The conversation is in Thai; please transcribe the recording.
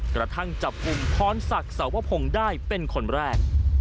กระทั่งจับกลุ่มพรศักดิ์สวพงศ์ได้เป็นคนแรก